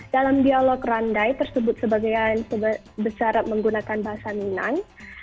dalam dialog randai tersebut sebagian besar menggunakan bahasa minang